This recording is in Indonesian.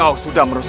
aku akan menang